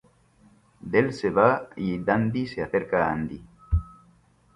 Dell se va y Dandy se acerca a Andy.